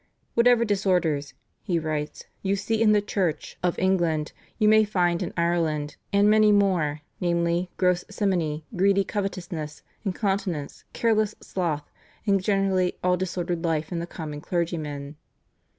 "Whatever disorders," he writes, "you see in the Church of England, you may find in Ireland, and many more, namely, gross simony, greedy covetousness, incontinence, careless sloth, and generally all disordered life in the common clergyman.